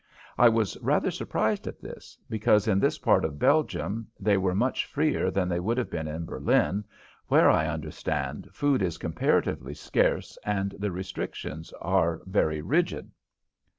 I was rather surprised at this, because in this part of Belgium they were much freer than they would have been in Berlin, where, I understand, food is comparatively scarce and the restrictions are very rigid.